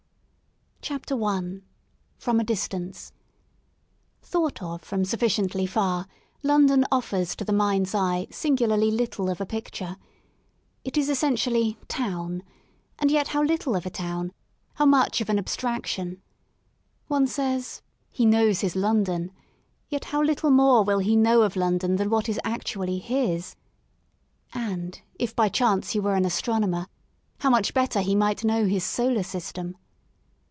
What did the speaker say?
F. M. H. XVI FROM A DISTANCE THE SOUL OF LONDON CHAPTER I FROM A DISTANCE I THOUGHT of from sufficiently far, London oflfers to the mind's eye singularly little of a picture. It is essentially ^^ town, " and yet how little of a town, how much of an abstraction. One says, ^^He knows his London," yet how little more will he know of London than what is actually ^* his." And, if by chance he were an astronomer, how much better he might know his solar system.